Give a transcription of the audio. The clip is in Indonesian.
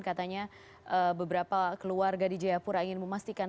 katanya beberapa keluarga di jayapura ingin memastikan